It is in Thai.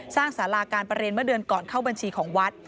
สาราการประเรียนเมื่อเดือนก่อนเข้าบัญชีของวัด